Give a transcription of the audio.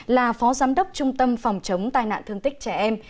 là phó giám đốc trung tâm phòng chống tai nạn thương tích trẻ em